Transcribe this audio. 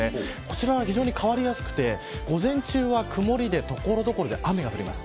こちらは非常に変わりやすくて午前中は曇りで所々雨が降ります。